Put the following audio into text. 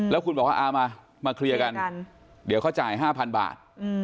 แล้วคุณบอกว่าเอามาเคลียร์กันเดี๋ยวเขาจ่าย๕๐๐บาท